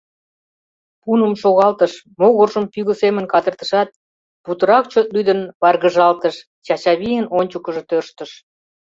Пуным шогалтыш, могыржым пӱгӧ семын кадыртышат, путырак чот лӱдын варгыжалтыш Чачавийын ончыкыжо тӧрштыш.